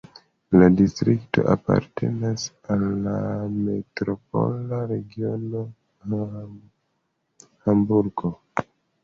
La distrikto apartenas al la metropola regiono Hamburgo.